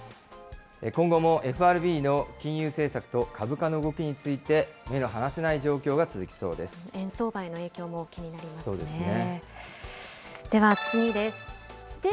今後もＦＲＢの金融政策と株価の動きについて、目の離せない状況円相場への影響も気になりまそうですね。